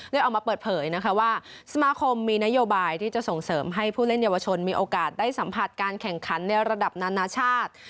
ออกมาเปิดเผยนะคะว่าสมาคมมีนโยบายที่จะส่งเสริมให้ผู้เล่นเยาวชนมีโอกาสได้สัมผัสการแข่งขันในระดับนานาชาติ